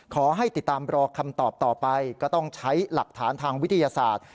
ขอให้ติดตามรอคำตอบต่อไปก็ต้องใช้หลักฐานทางวิทยาศาสตร์